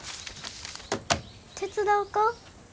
手伝おか？